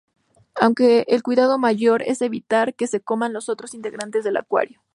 Aunque, el cuidado mayor es evitar que se coman a otros integrantes del acuario.